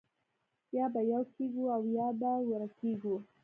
یا به یو کېږو او یا به ورکېږو